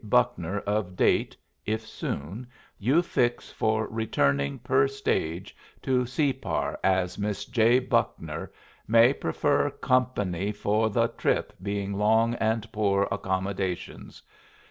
Buckner of date (if soon) you fix for returning per stage to Separ as Miss J. Buckner may prefer company for the trip being long and poor accommodations.